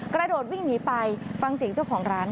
กระโดดวิ่งหนีไปฟังเสียงเจ้าของร้าน